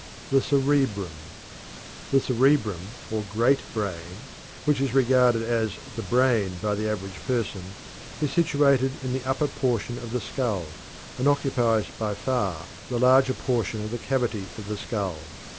The Cerebrum. The cerebrum, or "great brain" (which is regarded as "the brain" by the average person), is situated in the upper portion of the skull, and occupies by far the larger portion of the cavity of the skull.